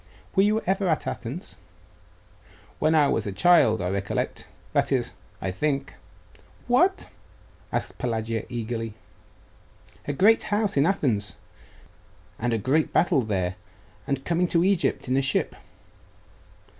Were you ever at Athens?' 'When I was a child; I recollect that is, I think ' 'What?' asked Pelagia eagerly. 'A great house in Athens and a great battle there and coming to Egypt in a ship.